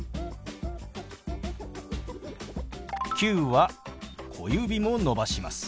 「９」は小指も伸ばします。